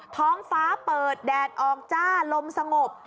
ท้องฟ้าเปิดแดดออกจ้าลมสงบ